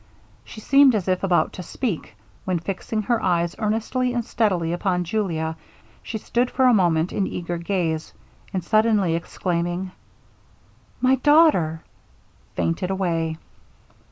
She seemed as if about to speak, when fixing her eyes earnestly and steadily upon Julia, she stood for a moment in eager gaze, and suddenly exclaiming, 'My daughter!' fainted away.